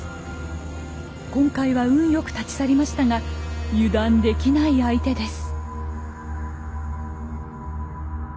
今回は運よく立ち去りましたが油断できない相手です。